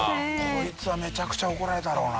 こいつはめちゃくちゃ怒られたろうな。